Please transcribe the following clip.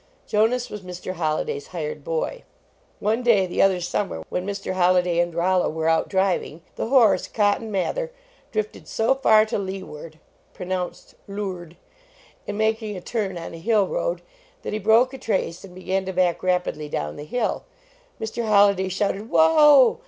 Jonas was Mr. Holliday s hired boy. One day, the other summer, when Mr. Holliday and Rollo were out driving, the horse, Cotton Mather, drifted so far to leeward (pronounced lewrd), in making a turn on a hill road, that he broke a trace and began to back rapidly down the hill. Mr. Holliday shouted, "Whoa!"